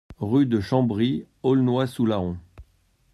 Rue de Chambry, Aulnois-sous-Laon